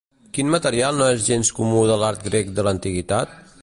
Quin material no és gens comú de l'art grec de l'antiguitat?